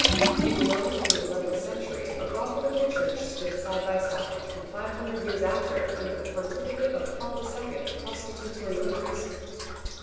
In Rome, in the eleventh century, a brothel and a church stood side by side, and five hundred years after, under the pontificate of Paul II., prostitutes were numerous.